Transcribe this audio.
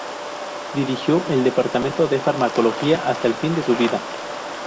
Dirigió el Departamento de Farmacología hasta el fin de su vida.